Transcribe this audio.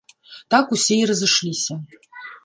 Так усе і разышліся.